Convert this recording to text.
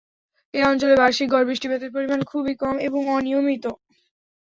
এ অঞ্চলের বার্ষিক গড় বৃষ্টিপাতের পরিমাণ খুবই কম এবং অনিয়মিত।